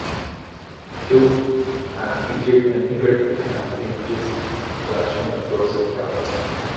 Chope, and featured in Pickard-Cambridge's Collection of Dorset Carols.